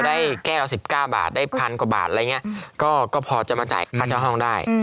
ได้แก้วละ๑๙บาทได้พันกว่าบาทอะไรอย่างนี้ก็พอจะมาจ่ายค่าเช่าห้องได้